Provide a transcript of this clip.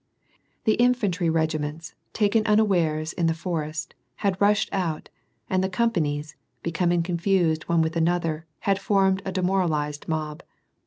The infantry regiments, taken unawares in the forest, had rushed out, and the companies, becoming confused with one another, had formed a demoralized mob.